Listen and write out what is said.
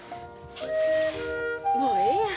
もうええやん。